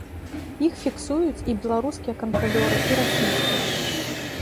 Іх фіксуюць і беларускія кантралёры, і расійскія.